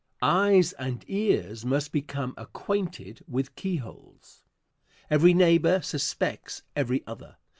Eyes and ears must become acquainted with keyholes. Every neighbor suspects every other.